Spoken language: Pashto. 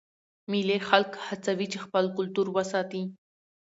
مېلې خلک هڅوي چې خپل کلتور وساتي.